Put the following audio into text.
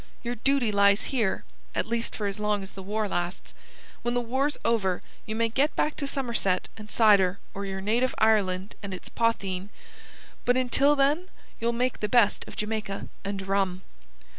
Your duty lies here, at least for as long as the war lasts. When the war's over, you may get back to Somerset and cider or your native Ireland and its potheen; but until then you'll make the best of Jamaica and rum."